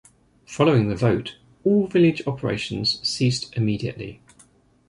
Following the vote, all village operations ceased immediately.